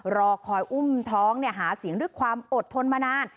รอคอยอุ้มท้องหาเสียงด้วยความอดทนมานาน